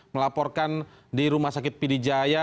melaporkan di rumah sakit pidijaya